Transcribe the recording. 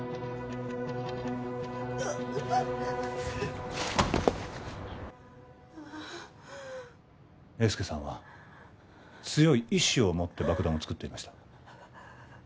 ううう英輔さんは強い意志を持って爆弾を作っていました